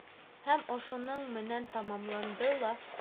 Һәм ошоноң менән тамамланды ла.